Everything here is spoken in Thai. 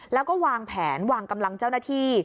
แล้วก็วางแผนวางกำลังเจ้าหน้าที่